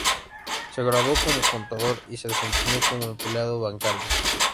Se graduó como contador y se desempeñó como empleado bancario.